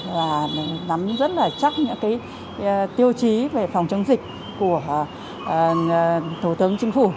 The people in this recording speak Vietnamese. và nắm rất là chắc những tiêu chí về phòng chống dịch của thủ tướng chính phủ